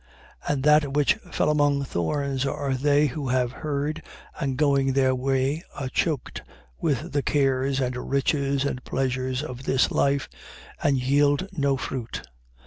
8:14. And that which fell among thorns are they who have heard and, going their way, are choked with the cares and riches and pleasures of this life and yield no fruit.